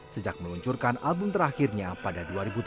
sejak meluncurkan album terakhirnya pada dua ribu tujuh belas